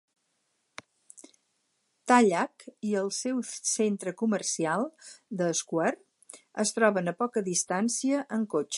Tallaght i el seu centre comercial, The Square, es troben a poca distància en cotxe.